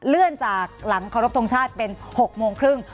เลื่อนจากหลังเคารพทงชาติเป็น๖โมงครึ่ง